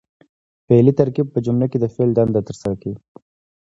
فعلي ترکیب په جمله کښي د فعل دنده ترسره کوي.